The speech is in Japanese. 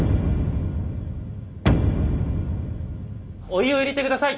お湯を入れて下さい。